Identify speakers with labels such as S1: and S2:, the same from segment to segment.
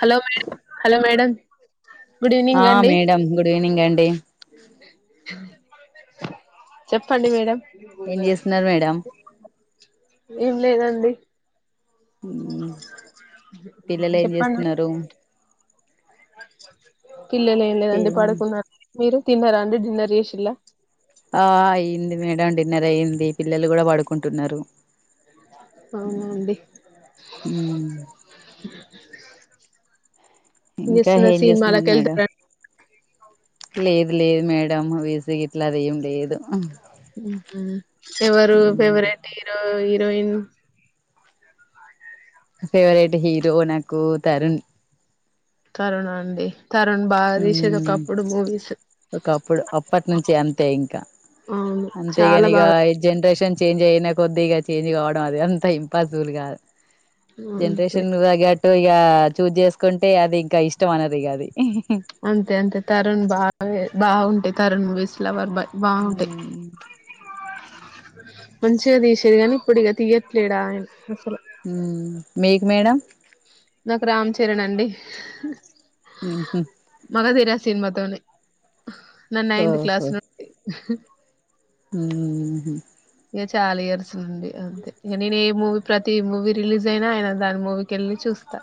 S1: Hello madam hello madam good
S2: ah
S1: evening అండి
S2: madam good evening అండి
S1: చెప్పండి madam
S2: ఏం చేస్తున్నారు మేడం
S1: ఏం లేదండి
S2: హ్ పిల్లలు ఏం
S1: చెప్పండి
S2: జెస్తున్నారు.
S1: పిల్లలు ఏం లేదండి పడుకున్నారు. మీరు తిన్నర అం డిన్నర్ జేసిల్లా
S2: ఆ అయ్యింది మేడం డిన్నర్ అయ్యంది. పిల్లలు కూడా పడుకుంటున్నారు.
S1: అవునాండి
S2: ఇంకా
S1: బిజినెస్
S2: ఏం చేస్తున్నారు మేడం
S1: సిమాలకెళ్తార
S2: లేదు లేదు మేడం బిజిగా ఇట్లా అది ఏం లేదు
S1: హ్ హ్ ఎవరు ఫేవరెట్ హీరోయి [unintelligible]
S2: ఫేవరెట్ హీరో నాకు తరుణ్
S1: తరునా అండి తరుణ్ బాగా
S2: హ్
S1: తీసేది ఒకప్పుడు మూవీస్
S2: ఒకప్పుడు అప్పటి నుంచి అంతే ఇంకా
S1: అవును చాలా
S2: అంతేగాని ఈగా
S1: బాగా
S2: జనరేషన్ చేంజ్ అయినా కొద్ది ఇక చేంజ్ కావడం. అది అంత ఇంపాసిబుల్ కాదు
S1: అంతే
S2: జనరేషన్ కు తగ్గట్ ఇగా చూజ్ చేసుకుంటే అది ఇంకా ఇష్టం అన్నరు ఇగా అది
S1: అంతే అంతే తరుణ్ బా గా బాగుంటాయి తరున్ మూవీస్ లవర్ బాయ్ బాగుంటాయి
S2: హ్
S1: మంచిగా తీసేది కానీ ఇప్పుడు ఇక తీయట్లేడాయన
S2: ఉమ్ మీ క్ మేడం
S1: నాకు రామ్ చరణ్ అండి
S2: ఉహు
S1: మగధీర సినిమా తోనీ నా నైన్ త్ క్లాస్ నుండీ
S2: ఉమ్ హ్
S1: ఇగా చాలా ఇయర్స్ నుండి అంతే ఇక నేను ఏ మూవీ ప్రతి మూవీ రిలీజ్ అయినా ఆయన దాని మూవీకేళ్ళి చూస్తా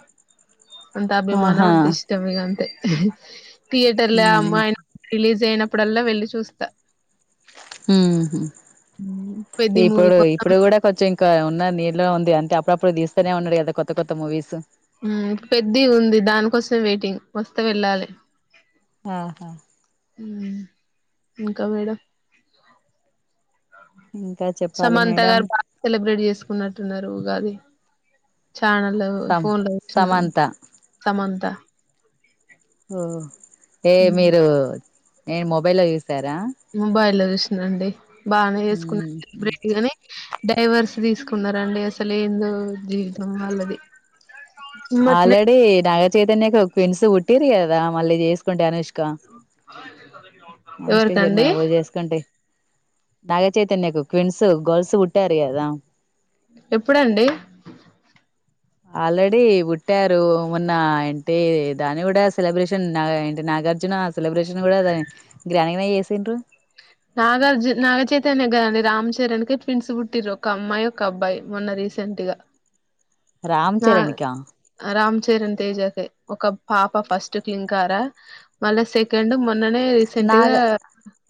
S1: అంత అభిమానం
S2: ఆహా
S1: అంత ఇష్టం మీగ అంతే తియేటర్ల అమ్ అయినా రిలీస్ చేయనా అప్పుడల్లా వెళ్లి చూస్తా
S2: ఉ హ్
S1: పెద్ది మూవీ
S2: ఇప్పుడు
S1: కోసం
S2: ఇప్పుడు కూడా కొంచెం ఇంకా ఉన్నా నేర్ లో ఉంది. అంటే అప్పుడప్పుడు తీస్తేనే ఉన్నాడు. గాదా కొత్త కొత్త మూవీస్
S1: ఊ పెద్ది ఉంది దానికోసం వెయిటింగ్ వస్తే వెళ్ళాలి.
S2: ఆహా
S1: ఇంకా మేడం
S2: ఇంకా చెప్పాలి
S1: సమంత
S2: మేడం
S1: గారు బాగ సెలబ్రేట్ చేసుకున్నట్టున్నారు ఉగాది. ఛానల్లో
S2: సమ
S1: ఫోన్లో వచ్చిన
S2: సమంత
S1: సమంత
S2: ఓ ఏ మీరు నేను మొబైల్లో చూసారా
S1: మొబైల్లో చూసినండి బాగానే చేసుకున్నారు
S2: ఊహు
S1: సెలబ్రేట్ గాని డైవర్స్ తీసుకున్నరండి అసలు ఏందో జీవితం వాళ్ళది. మొన్ననే
S2: ఆల్రెడీ నాగచైతన్యకు ట్వీన్స్ ఉట్టి టిరీ కదా మళ్ళీ చేసుకుంటే అనుష్
S1: ఎవరికండి.
S2: నాగచైతన్యకు ట్విన్స్ గల్స్ పుట్టారు కదా
S1: ఎప్పుడండి.
S2: ఆల్రెడీ పుట్టారు మొన్న అంటే దాని కూడా సెలబ్రేషన్ నా అంటే నాగార్జున సెలబ్రేషన్ కూడా దా గ్రాండ్గానే చేసిండ్రు
S1: నాగార్జు నాగచైతన్య కదాండి రామచరణ్కి ట్విన్స్ పుట్టిరు ఒక అమ్మాయి ఒక అబ్బాయి మొన్న రీసెంట్గా
S2: రామచరన్కా
S1: చరణ్ తేజ కి ఒక పాప ఫస్ట్ క్లీంకార మళ్ళీ సెకండ్ మొన్ననే రీసెంట్
S2: నాగ
S1: గా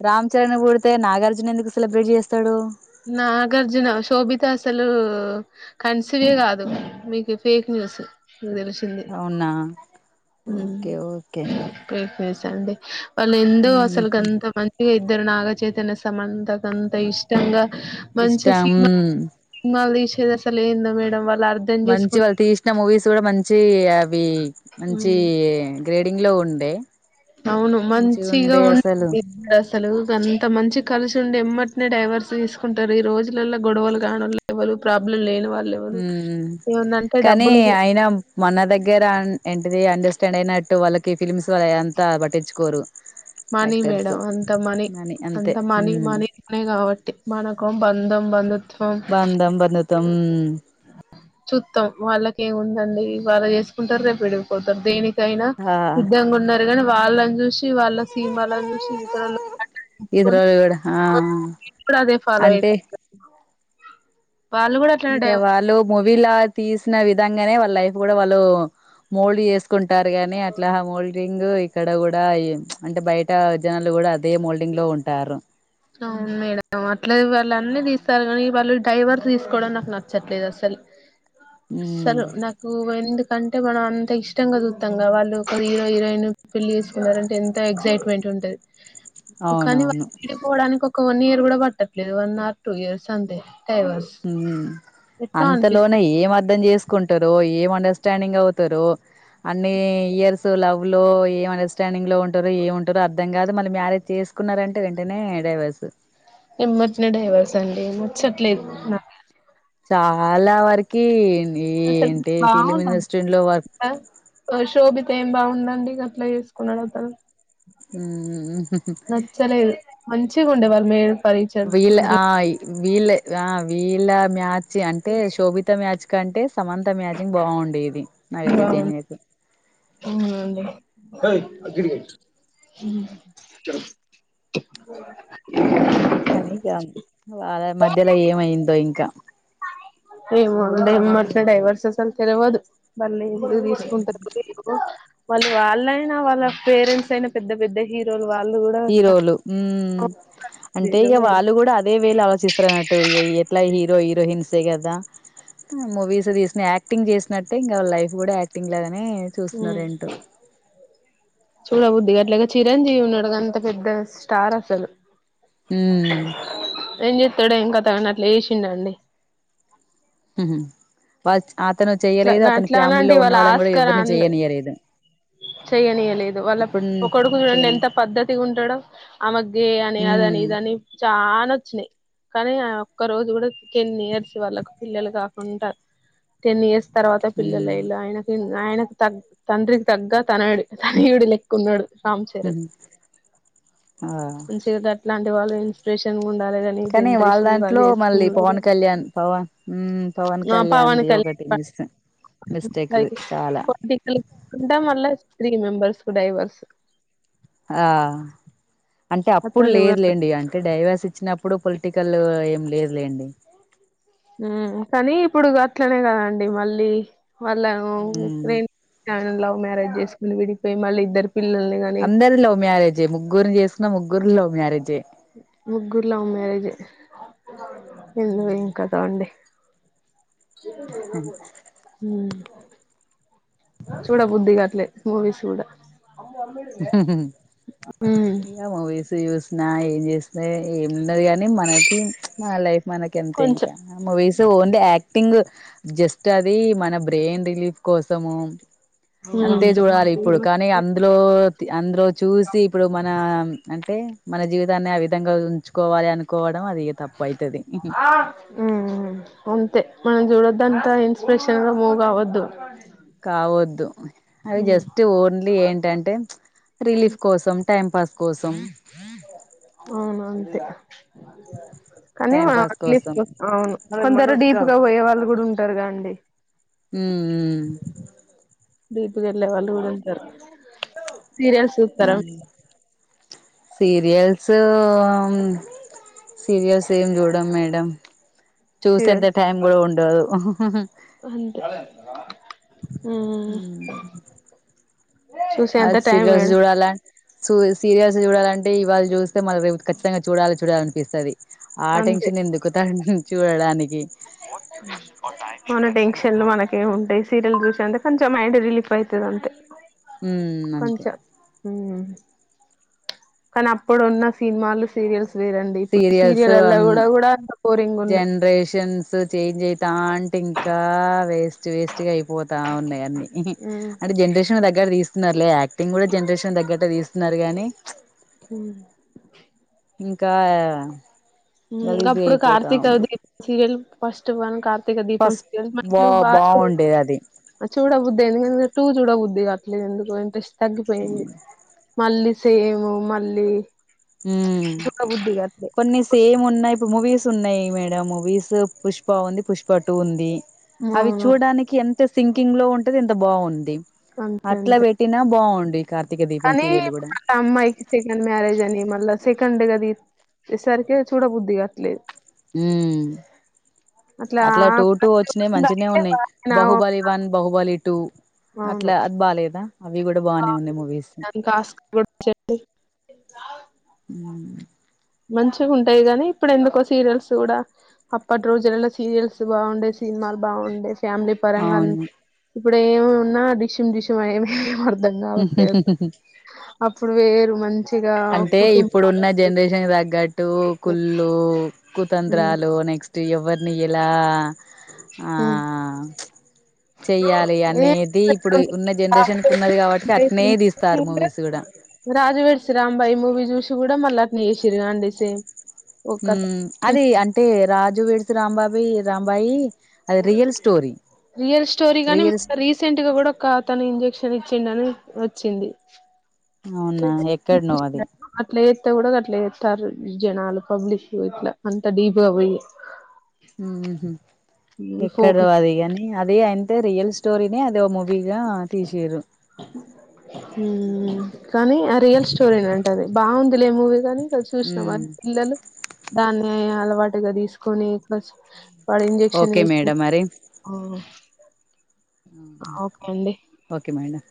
S2: రాంచరణ్ పూడ్ డితే నాగార్జున ఎందుకు సెలబ్రేట్ చేస్తాడు.
S1: నాగార్జున శోభిత అసలు కన్సివే కాదు మీకు ఫేక్ న్యూస్. అనితెలిసింది
S2: అవునా ఓకే ఓకే
S1: ఊహు ఉ చండి. వాళ్ళు ఎందుకు అసలుకి అంత మంచిగా ఇద్దరు నాగ చైతన్య సమంత కి అంత ఇష్టంగా మంచి
S2: ఇష్టం
S1: సినిమా సినిమాలు తీసిండ్రు అసలు ఏంది మేడం వా
S2: మంచి వాళ్ళు తీసిన మూవీస్ కూడా మంచి చీ అవి మంచి
S1: హ్మ్
S2: గ్రేడింగ్లో ఉండే
S1: అవును మంచిగా
S2: ఉండే అసలు
S1: ఉంటడు అసలు అంత మంచి కలిసి ఉండి ఎమ్మట్నే డైవర్స్ తీసుకుంటారు ఈ రోజులల్లో గొడవలు కానోలు ఎవరు ప్రాబ్లం లేని వాళ్ళు ఎవరు
S2: ఊహు
S1: ఏమన్నంటే
S2: కాని
S1: డబ్బులు
S2: అయిన మన దగ్గర అన్ ఎంటిది అండర్ స్టెండ్ అయినట్టు వాళ్ళకి ఫిలిమ్స్ వాల్లదంతా పట్టించుకోరు.
S1: మనీ
S2: యాక్టర్స్
S1: మేడం అంత మనీ
S2: అని అంతే
S1: అంత మనీ
S2: ఉమ్
S1: మనీనే కాబట్టి మన బందం బందు
S2: బందం బంధుత్వం ఉ
S1: చుత్తం వాళ్ళకేముందండి వాళ్ళ చేసుకుంటారు రేపు విడిపోతారు దేని కైనా
S2: ఆ
S1: సిద్దంగా ఉండ ని వాళ్ళని చూసి వాల్ సిమాలనీ చూసి
S2: ఇతరులు కూడా ఆ
S1: [inaudible] కూడా ఫాలో
S2: అంటే
S1: అయిపోతారు
S2: ఇగ వాలు మూవిలా తీస్ విధంగానే వాళ్ళ లైఫ్ కూడా వాళ్ళు మోల్డ్ చేసుకున్ అంటారు గాని అట్లా హోల్డ్ రింగు ఇక్కడ కూడా ఈ అంటే బయట జనాలు కూడా అదే మోల్డింగ్ లో ఉంటారు
S1: అవును మేడం అట్లా వాళ్ళు అన్ని తీస్తారు కానీ వాళ్ళు డైవర్ తీసుకోవడం నాకు నచ్చట్లేదు అసలు
S2: ఉమ్
S1: సలు నాకు ఎందుకు కంటే మనం అంత ఇష్టంగా చూద్దాం కదా వాళ్ళు ఒక హీరో హీరోయిన్ పెళ్లి చేసుకున్నారంటే ఎంతో ఎగ్సైట్మెంట్ ఉంటది కానీ వాళ్ళు
S2: అవునవును
S1: విడిపోవడానికి ఒక వన్ ఇయర్ కూడా పట్టట్లేదు వన్ ఆర్ టూ ఇయర్స్ అంతే డైవర్స్
S2: ఉ
S1: ఎట్లా అనిపిస్తా
S2: అంతలోనే ఏం అర్ధం చేస్ కుంటారో ఏం అండర్స్టాండింగ్ అవుతారో అన్ని ఇయర్స్ లవ్ లో ఏం అండర్స్టాండింగ్ లో ఉంటారు ఏముంటారు అర్థం కాదు మళ్ళ మ్యారేజ్ చేసుకున్నారంటే వెంటనే డైవర్స్
S1: ఏంబటనే డైవర్స్ అండి ఏమో నచ్చట్లేదు నాకీ
S2: చాలా వరకి
S1: అసలు
S2: ఏంటి ఫిలిం ఇండస్ట్రీలో వర్క్
S1: బాగుంట ఆ షో ఏం బాగు ఉందండి గట్లా చేసుకున్నాడు అతను
S2: ఉ
S1: చ్చిగుండా వాళ్లు ఏం
S2: వీల్ ఆ వీల్లే ఆ వీలా మ చి అంటే శోభిత మ్యాచ్ కంటే సమంత మ్యాజింగ్ బాగుండేది నాకైతే తెలియదు
S1: ఆ అదిరి ఆ హా
S2: కానీ ఇక వాళ్ళ మధ్యలో ఏమైందో ఇంకా
S1: ఎమ్ ఉండే ఎం మాట్లాడే వరుస అసలు తెల్వదు ముందు తీసుకుంటారు వాళ్ళు వాళ్ళైనా వాళ్ళ పేరెంట్స్ అయినా పెద్ద పెద్ద హీరో
S2: హీరోలు ఉ అంటే ఇగ వాళ్ళు కూడా అ దే వేళ ఆలోచిస్తారు అన్నట్టు ఎట్లా హీరో హీరోయిన్స్ే కదా మూవీస్ తీసు యాక్టింగ్ చేసినట్టే ఇంగ వాళ్ళ లైఫ్ కూడా యాక్టింగ్ లాగానే చూస్తున్నారు
S1: హ్మ్
S2: ఏంటో
S1: చీరంజీవి ఉన్నాడు గంత పెద్ద స్టార్ అసలు
S2: మ్
S1: త్తడో ఎం కతో అని అట్లా చెసిండన్ని
S2: బచ్ అతను చెయలేదు
S1: అట్లా
S2: అతని ఫ్యామిలీలో
S1: అట్లానంటి
S2: ఉన్న వాళ్ళం కూడా ఎవరిని చేయనీయలేదు
S1: చెయనీయలేదు వాళ్ళ ఒకడుకు చూడండి
S2: చేయను
S1: ఎంత పద్ధతిగా ఉంటడంో ఆమె గే అని అదని
S2: ఉమ్
S1: ఇదని చె చాలానోచ్చినాయి కానీ ఒక్క రోజు కూడా టెన్ ఇయర్స్ వాళ్ళకు పిల్లలు కాకుంటా టెన్ ఇయర్స్ తర్వాత
S2: ఉమ్
S1: పిల్లలయిల్లు ఆయనకెన్ నాయకు తగ తండ్రి తగ్గా తనయుడు తనయుడి లెక్కున్నాడు రామ్ చరణ్
S2: ఉహు ఆ
S1: మంచిగా గట్లాంటి వాళ్ళు ఇన్స్పిరేషన్గ ఉన్
S2: కానీ వాళ్ళ దాంట్లో మళ్ళీ పవన్ కళ్యాణ్ పవన్ హు పవన్
S1: మా పవన్
S2: కళ్యాణ్ది
S1: కళ్యాణ్
S2: ఒకటి మిస్ మిస్టేక్ది చాలా
S1: మళ్ళ త్రీ మెంబర్స్ కు డైవర్స్
S2: ఆ అంటే అప్పుడు
S1: అతనిది కూడా
S2: లేదులేండి అంటే డైవర్స్ ఇచ్చినప్ ప్పుడు పొలిటికల్ ఏం లేదులేండి
S1: హు కానీ ఇప్పుడు అట్లనే కదండి మళ్ళీ వాళ్ళ
S2: ఉమ్
S1: లవ్ మ్యారేజ్ చేసుకుని విడిపోయి మళ్ళ ఇద్దరు పిల్లల్ని గాని
S2: అందరిది మ్యారేజ్ ఏ ముగ్గురుని చేసుకున్న ముగ్గురిది లవ్ మ్యారేజ్ ఏ
S1: ముగ్గురు లవ్ మ్యరేజ్ ఏ ఎందుకొ ఏం కతో అండి హు చూడ బుద్ధి కాట్లేదు మూవీస్ కూడా హ్మ్
S2: ఏమో వైసి వస్. నాయి చేస్తే ఎల్. ఉండది గని మన థింక్, మన లైఫ్ మనకెంత
S1: కొంచెం
S2: ఇంకా, movies. So only acting, just అది, మన బ్రెయిన్ రిలీఫ్ కోసము. అంతే
S1: హ్మ్
S2: జుడాలి, ఇప్పుడు కానీ, అందులో. అందులో చూసి, ఇప్పుడు మన, అంటే. మన జీవితాన్ని ఆ విధంగా ఉంచుకోవాలి అను.
S1: ఉంతే. మనం చూడొద్దంతా ఇన్స్పిరేషన్ గా మూవ్ కావద్దు.
S2: కావద్దు. అవి
S1: హ్మ్
S2: జస్ట్ ఓన్లీ ఏంటంటే, రిలీఫ్ కోసం టైం పాస్. కోసం.
S1: అవును అంతే.
S2: టైం పాస్ కోసం
S1: అవును. పోయే వాళ్ళు కూడా ఉంటారుగా గాండి.
S2: ఊ ఉమ్.
S1: బీట్ గళ్ళ వాళ్ళు కూడాఊంటారు. సీరియస్స్ సూత్తర.
S2: ఉమ్ సీరియల్స్, అం సీరియల్స్ ఏం చూడం మేడం. చూసె అంత టైం కూడా ఉండ ఉహు. ఉహు.
S1: [inaudible] ఊహు.
S2: అది సిరియస్ జుడాల. సూ సీరియల్స్ చూడాలంటే, ఇవాళు చూస్తే మళ్ల రేపు ఖచ్చితంగా. చూడాలే చూలనిపిస్తది. ఆ
S1: అంతే
S2: టెన్షన్ ఎందుకు తన్. చూడడానికి.
S1: మన టెంక్షన్. ఎలు మనకె ఉంటాయ్ సీరియల్ చూసే అంత కొంచం మైండ్ రిలీఫ్ అయిత అంతే.
S2: ఊ అంతే.
S1: కొంచెం కానీ, అప్పుడు ఉన్న, సినిమాలు సీరియల్స్. లేదండి ఇప్పుడు
S2: సీరియల్స్
S1: సీరియల్ అల్ల కూడా కూడా, అంత, బోరింగ్ ఉన్నాయి.
S2: జనరేషన్స్ చేంజ్ అయితా, అంటే ఇంకా, వేస్ట్ వేస్ట్. చేఅయిపోతా ఉన్నాయి, అన్నీ, ఉహు
S1: మ్మ్
S2: అంటే జనరేషన్ దగ్గర తీసు. స్తున్నారు లే యాక్టింగ్ కూడా జనరేషన్ దగ్గట్టే తీస్తున్నారు గానీ
S1: హ్మ్
S2: ఇంకా
S1: ఇంకా
S2: గలీజుగా
S1: అప్పుడు
S2: అయిపోతా
S1: కార్తీక
S2: ఉంది
S1: దీ సీరెల్ ఫస్ట్ వన్ కా ర్తీక దీపం
S2: ఫస్ట్ బా
S1: మంచిం బాగా చ
S2: బాగుండేది అది
S1: చూడబుద్దు ఎందుక టూ చూడబుద్ది అట్ ఎందుకుంట తగ్గిపోయింది మళ్ళీ సేము మళ్ళీ చూడబుద్ధి కాట్లే
S2: కొన్ని సేమ్ ఉన్నాయిపు మూవీస్ ఉన్నాయ్ మేడం మూవీస్ పుష్ప ఉంది పుష్ప టూ ఉంది. అవి
S1: అవును
S2: చూడానికి ఎ తే సింకింగ్ లో ఉంటది ఎంత బావుంది.
S1: అంతే
S2: అట్లా
S1: అంతే
S2: పెట్టినా బావుం
S1: కానీ అమ్మాయికి సెకండ్ మ్యారేజ్ అని మ లా సెకండ్గా ది సరికి చూడబుద్ది కాట్లేదు
S2: హ్మ్ అట్లా టూ టూ వచ్చిన మంచినే ఉన్నాయ్ బహుబలి వన్ బహుబలి టు అట్లా అది బాలేదా అవి కూడా బానే ఉన్నాయి మూవీస్
S1: కాస్ [unintelligible] మంచిగుంటాయ్ గానీ ఇప్పుడు ఎందుకో సీరియల్స్ కూడా అప్పటి రోజులలో సీరియల్స్ బాగుండే సినిమాలు బాగుండేవి. ఫ్యామిలీ పరంగా అ ఇప్పుడు ఏమున్నా డిషుం డిషుం మయమే గంగావత్ దె
S2: అవును
S1: ఇప్పుడు వేరు మంచి
S2: అంటే ఇప్పుడు ఉన్న జన [unintelligible] తగ్గట్టు కుళ్ళు
S1: హ్మ్
S2: కుతంత్రాలు నెక్స్ ఎవరిని ఎలా ఆ
S1: హ్మ్
S2: చెయ్యాలి
S1: ఏ
S2: అనేది ఇప్పుడు ఉన్న జనరేషన్కి ఉన్నది కాబట్టి అట్నే దీస్తారు మూవీస్ గూడా
S1: రాజువేడ్స్ రాంబాయి మూవీ చూసి కూడా మళ్ళ అట్నే చేసిరగా అండి సేమ్ ఒక
S2: హ్మ్ అది అంటే రాజ్ రాజు వెడ్స్ రాంబాబి రాంబాయి అది రియల్ స్టోరి.
S1: రియల్ స్టోరీ గాని రీసెంట్ గా కూడా ఒక అతను ఇంజెక్షన్ ఇ చ్చిండని వచ్చింది.
S2: అవునా ఎక్కడనో అది
S1: అట్లా చెత్తె కూడా గట్లా చె తర్ జనాలు పబ్లిక్ ఇట్లా అంత డీప్ గా పోయి.
S2: హుహ్
S1: ఫోన్
S2: ఎక్కడ్దో అది కాని అది అయితే రియల్ స్టోరీని అదొ మూవీగా తీసిర్రు.
S1: హ్ కానీ ఆ రియల్ స్టోరీనే అంట అది బావుంది. లె మూవీ కానీ చూసినావా అది
S2: ఉమ్
S1: పిల్లలు దాన్నే అలవాటుగా తీసుకొని ఇట్ల వాడు ఇంజెక్షన్
S2: ఓకే
S1: ఏసి
S2: మేడం మరి
S1: ఆ ఓకే అండి.
S2: Okay madam